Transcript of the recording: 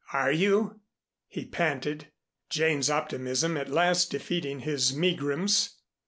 "Are you?" he panted, Jane's optimism at last defeating his megrims.